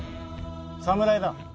侍だ。